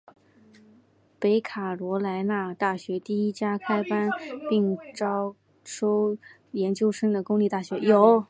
北卡罗来纳大学第一家开班并招收研究生的公立大学。